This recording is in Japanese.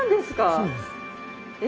そうです。え！